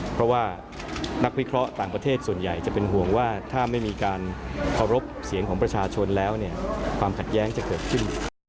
เพราะว่านักวิเคราะห์ต่างประเทศส่วนใหญ่จะเป็นห่วงว่าถ้าไม่มีการเคารพเสียงของประชาชนแล้วเนี่ยความขัดแย้งจะเกิดขึ้น